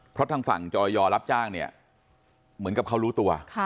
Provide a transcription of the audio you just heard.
เพราะทางฝั่งจอยอรับจ้างเนี่ยเหมือนกับเขารู้ตัว